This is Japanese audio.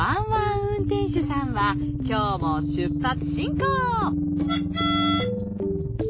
運転手さんは今日も出発進行！